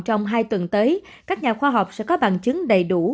trong hai tuần tới các nhà khoa học sẽ có bằng chứng đầy đủ